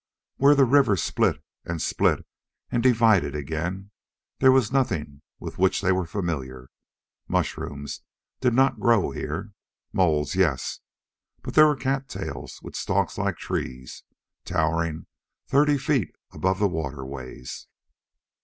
Where the river split and split and divided again, there was nothing with which they were familiar. Mushrooms did not grow here. Moulds, yes. But there were cattails, with stalks like trees, towering thirty feet above the waterways.